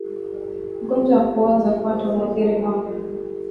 Ugonjwa wa kuoza kwato huwaathiri ngombe